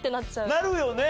なるよね！